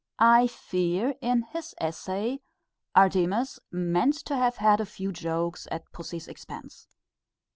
I fear in his essay Artemus meant to have had a few jokes at pussy's expense.